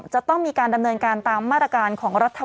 จะต้องมีการดำเนินการตามมาตรการของรัฐธรรม